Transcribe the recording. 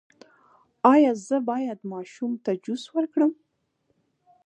ایا زه باید ماشوم ته جوس ورکړم؟